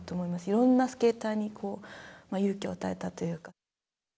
いろんなスケーターに勇気を与えたというか。